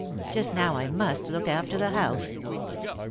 Just now I must look after the house."